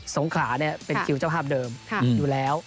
งขาเป็นคิวเจ้าภาพเดิมอยู่แล้ว